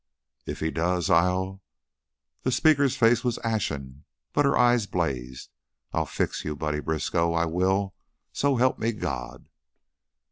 "If he does, I'll " The speaker's face was ashen, but her eyes blazed. "I'll fix you, Buddy Briskow. I will, so help me God!"